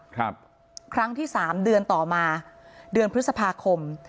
ครั้งที่สามเดือนต่อมาเดือนพฤษภาคม